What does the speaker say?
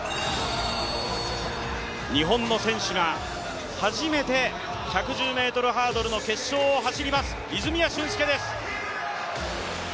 日本の選手が初めて１１０ｍハードルの決勝を走ります、泉谷駿介です。